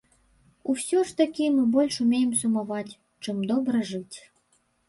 Усё ж такі мы больш умеем сумаваць, чым добра жыць.